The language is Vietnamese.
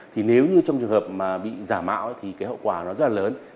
thì nếu như trong trường hợp mà bị giả mạo thì cái hậu quả nó rất là lớn